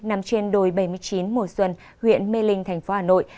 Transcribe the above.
nằm trên đồi bảy mươi chín mùa xuân huyện mê linh thành phố hà nội